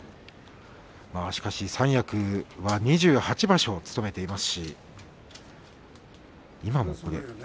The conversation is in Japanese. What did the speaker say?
しかし三役は２８場所務めていますし。